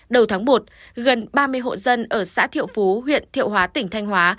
đầu tháng một gần ba mươi hộ dân ở xã thiệu phú huyện thiệu hóa tỉnh thanh hóa